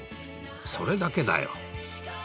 それだけだよ。